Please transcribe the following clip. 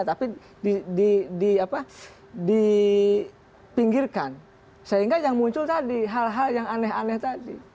tapi dipinggirkan sehingga yang muncul tadi hal hal yang aneh aneh tadi